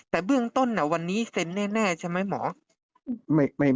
แต่เบื้องต้นวันนี้เซ็นแน่ใช่ไหมหมอ